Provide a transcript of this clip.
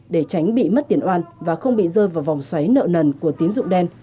để tránh bị mất tiền oan và không bị rơi vào vòng xoáy nợ nần của tín dụng đen